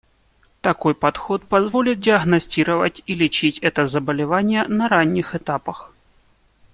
Такой подход позволит диагностировать и лечить это заболевание на ранних этапах.